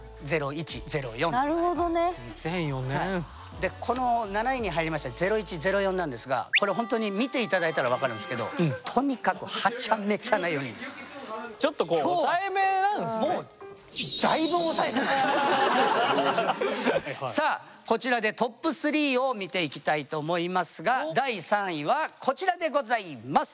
でこの７位に入りました０１０４なんですがこれほんとに見て頂いたら分かるんすけどちょっとこうきょうはもうさあこちらでトップ３を見ていきたいと思いますが第３位はこちらでございます！